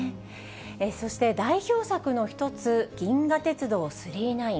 そして代表作の一つ、銀河鉄道９９９。